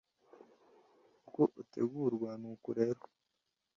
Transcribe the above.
Uko utegurwa nuku rero